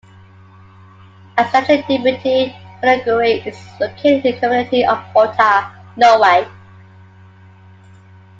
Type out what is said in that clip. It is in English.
A statue depicting Pillarguri is located in the community of Otta, Norway.